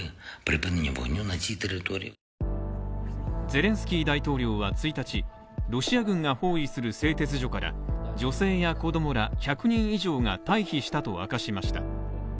ゼレンスキー大統領は１日、ロシア軍が包囲する製鉄所から女性や子供ら１００人以上が退避したと明かしました。